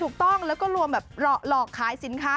ถูกต้องแล้วก็รวมแบบหลอกขายสินค้า